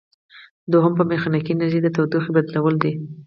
دوهم په میخانیکي انرژي د تودوخې بدلول دي.